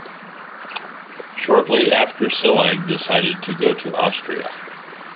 Shortly after Csillag decided to go to Austria.